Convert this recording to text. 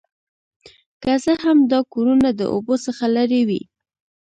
که څه هم دا کورونه د اوبو څخه لرې وي